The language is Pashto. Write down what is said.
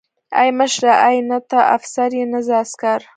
ای مشره ای نه ته افسر يې نه زه عسکر.